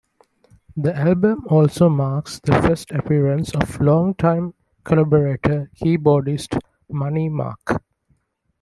The album also marks the first appearance of longtime collaborator keyboardist Money Mark.